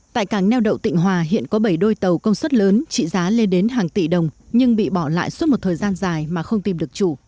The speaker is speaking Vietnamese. tại cảng neo đậu tịnh hòa hiện có bảy đôi tàu công suất lớn trị giá lên đến hàng tỷ đồng nhưng bị bỏ lại suốt một thời gian dài mà không tìm được chủ